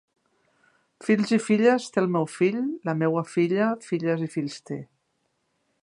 Fills i filles té el meu fill; la meua filla, filles i fills té;